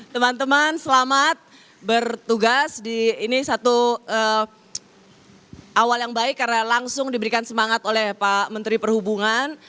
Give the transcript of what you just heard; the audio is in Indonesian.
teman teman selamat bertugas di ini satu awal yang baik karena langsung diberikan semangat oleh pak menteri perhubungan